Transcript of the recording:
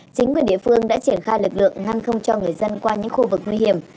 chính quyền địa phương đã triển khai lực lượng ngăn không cho người dân qua những khu vực nguy hiểm